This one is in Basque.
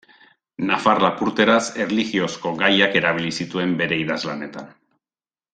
Nafar-lapurteraz, erlijiozko gaiak erabili zituen bere idazlanetan.